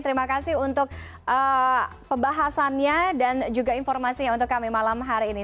terima kasih untuk pembahasannya dan juga informasinya untuk kami malam hari ini